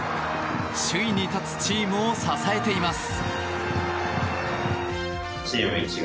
首位に立つチームを支えています。